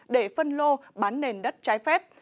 để phân lô bán nền đất trái phép